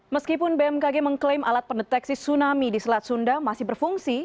meskipun bmkg mengklaim alat pendeteksi tsunami di selat sunda masih berfungsi